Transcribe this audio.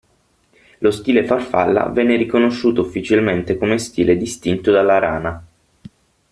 Lo stile farfalla venne riconosciuto ufficialmente come stile distinto dalla rana.